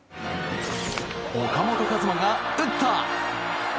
岡本和真が打った！